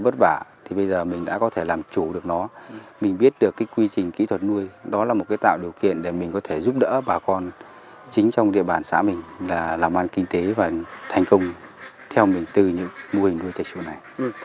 vất vả thì bây giờ mình đã có thể làm chủ được nó mình biết được cái quy trình kỹ thuật nuôi đó là một cái tạo điều kiện để mình có thể giúp đỡ bà con chính trong địa bàn xã mình là làm ăn kinh tế và thành công theo mình từ những mô hình nuôi trẻ chủ này